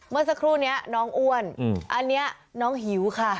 เมื่อสักครู่นี้น้องอ้วนอันนี้น้องหิวค่ะ